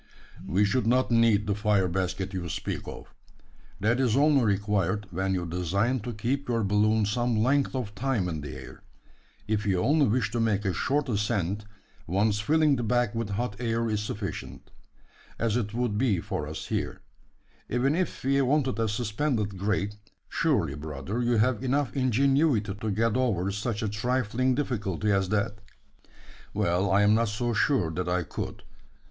"We should not need the fire basket you speak of. That is only required, when you design to keep your balloon some length of time in the air. If you only wish to make a short ascent, once filling the bag with hot air is sufficient; as it would be for us here. Even if we wanted a suspended grate, surely, brother, you have enough ingenuity to get over such a trifling difficulty as that?" "Well, I'm not so sure that I could.